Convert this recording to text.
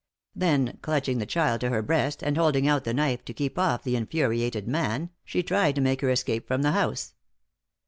Then, clutching the child to her breast and holding out the knife to keep off the infuriated man, she tried to make her escape from the house.